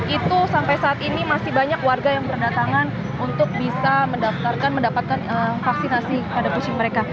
itu sampai saat ini masih banyak warga yang berdatangan untuk bisa mendaftarkan mendapatkan vaksinasi pada kucing mereka